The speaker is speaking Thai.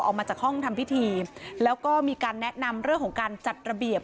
ออกมาจากห้องทำพิธีแล้วก็มีการแนะนำเรื่องของการจัดระเบียบ